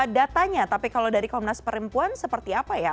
datanya tapi kalau dari komnas perempuan seperti apa ya